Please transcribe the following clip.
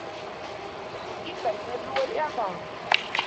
إمَّا الْبِرُّ وَالْإِعْظَامُ